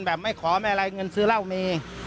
ไม่ขอไม่อะไรเงินซื้อเหล้ามี